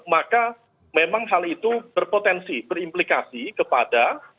maka memang hal itu berpotensi berimplikasi kepada